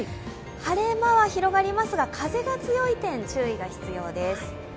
晴れ間は広がりますが、風が強い点注意が必要です。